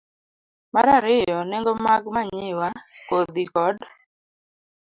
Mar ariyo, nengo mag manyiwa, kodhi, kod